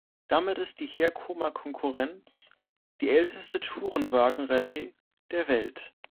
Damit ist die Herkomer-Konkurrenz die älteste Tourenwagen-Rallye der Welt.